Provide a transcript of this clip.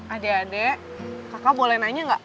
ade ade kakak boleh nanya gak